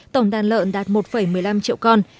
tổng đàn lợn đạt một một mươi năm triệu con